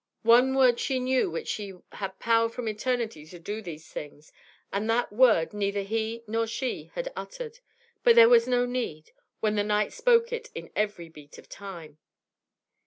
One word she knew which had power from eternity to do these things, and that word neither he nor she had uttered. But there was no need, when the night spoke it in every beat of time.